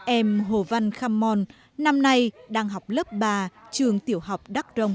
em hồ văn kham mon năm nay đang học lớp ba trường tiểu học đắc rồng hai